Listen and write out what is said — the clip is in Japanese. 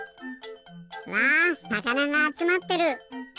うわさかながあつまってる。